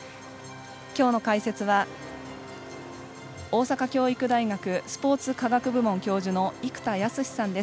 今日の解説は大阪教育大学スポーツ科学部門教授の生田泰志さんです。